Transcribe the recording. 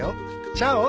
チャオ！